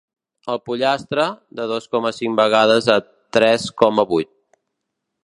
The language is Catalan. El pollastre, de dos coma cinc vegades a tres coma vuit.